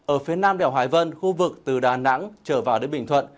ở phía nam đèo hải vân khu vực từ đà nẵng trở vào đến bình thuận